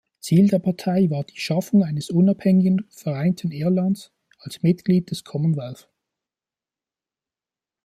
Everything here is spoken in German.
Ziel der Partei war die Schaffung eines unabhängigen vereinten Irlands als Mitglied des Commonwealth.